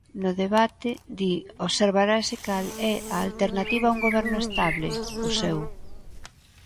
No debate, di, observarase cal é a "alternativa a un goberno estable", o seu.